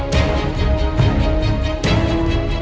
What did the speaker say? kamu ngapain disini